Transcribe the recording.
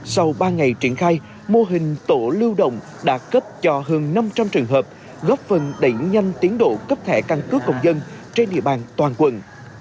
sau ba ngày triển khai mô hình tổ lưu động đã cấp cho hơn năm trăm linh trường hợp góp phần đẩy nhanh tiến độ cấp thẻ căn cước công dân trên địa bàn toàn quận